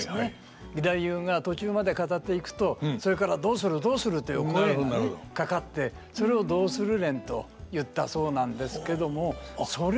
義太夫が途中まで語っていくと「それからどうするどうする」という声がねかかってそれを「どうする連」と言ったそうなんですけどもそれぐらいやっぱり。